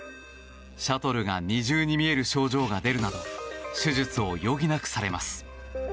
シャトルが二重に見える症状が出るなど手術を余儀なくされます。